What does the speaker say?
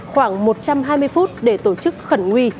khoảng một trăm hai mươi phút để tổ chức khẩn nguy